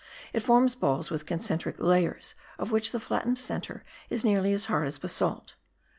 It forms balls with concentric layers of which the flattened centre is nearly as hard as basalt.